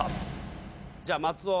じゃあ松尾。